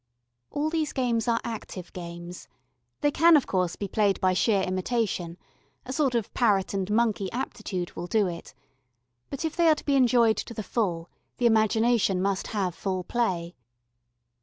All these games are active games: they can, of course, be played by sheer imitation, a sort of parrot and monkey aptitude will do it; but if they are to be enjoyed to the full, the imagination must have full play.